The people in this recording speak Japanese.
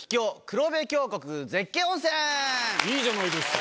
いいじゃないですか！